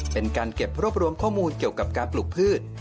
เป็นการเก็บรวบรวมข้อมูลเกี่ยวกับการปลูกพืช